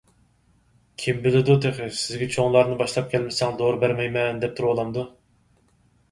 كىم بىلىدۇ، تېخى سىزگە چوڭلارنى باشلاپ كەلمىسەڭ دورا بەرمەيمەن دەپ تۇرۇۋالامدۇ!